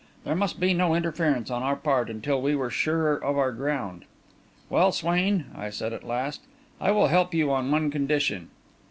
There must be no interference on our part until we were surer of our ground. "Well, Swain," I said, at last, "I will help you on one condition."